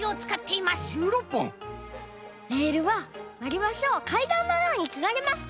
レールはわりばしをかいだんのようにつなげました。